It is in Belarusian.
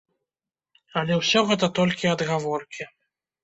Але ўсё гэта толькі адгаворкі.